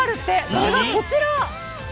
それがこちら。